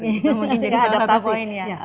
itu mungkin jadi pilihan yang penting